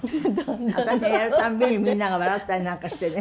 私がやるたんびにみんなが笑ったりなんかしてね。